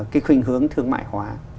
cái khuyên hướng thương mại hóa